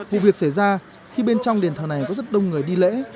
vụ việc xảy ra khi bên trong đền thờ này có rất đông người đi lễ